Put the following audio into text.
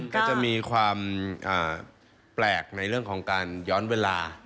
ก็จะมีความแปลกในเรื่องของการย้อนเวลา